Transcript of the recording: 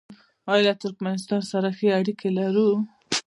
آیا له ترکمنستان سره ښې اړیکې لرو؟